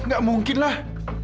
gak mungkin lah